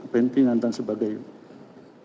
pendingan dan sebagainya